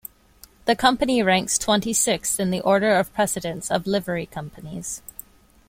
The Company ranks twenty-sixth in the order of precedence of livery companies.